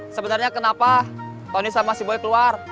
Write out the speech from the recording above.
sebenarnya kenapa tony sama si boy keluar